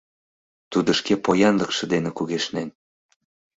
Тудо шке поянлыкше дене кугешнен.